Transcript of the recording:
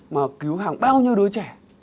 mà cứu hàng bao nhiêu đứa trẻ